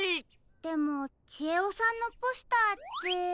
でもちえおさんのポスターって。